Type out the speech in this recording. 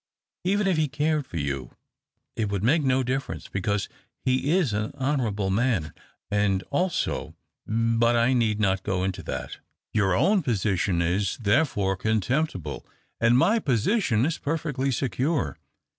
Even if he cared for you, it would make no difference, because he is an honourable man, and also — but I need not go into that. Your 248 THE OCTAVE OF CLAUDIUS. own position is, therefore, contemptible, and my position is perfectly secure.